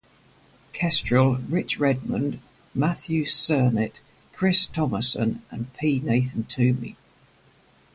Kestrel, Rich Redman, Matthew Sernett, Chris Thomasson, and P. Nathan Toomey.